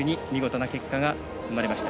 見事な結果が生まれました。